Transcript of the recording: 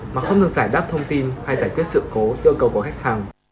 mà không được giải đáp thông tin hay giải quyết sự cố yêu cầu của khách hàng